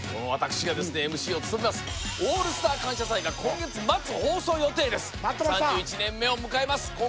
私がＭＣを務めます「オールスター感謝祭」が今月末放送予定です待ってました３１年目を迎えます